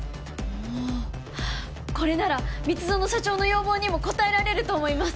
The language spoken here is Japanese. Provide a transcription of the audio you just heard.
おおこれなら蜜園社長の要望にも応えられると思います